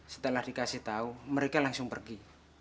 setelah dikasih tahu mereka langsung pergi